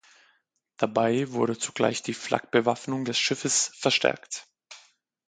Dabei wurde zugleich die Flak-Bewaffnung des Schiffes verstärkt.